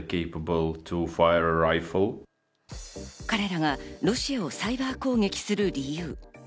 彼らがロシアをサイバー攻撃する理由。